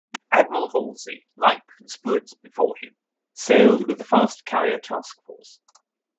Admiral Halsey, like Spruance before him, sailed with the Fast Carrier Task Force.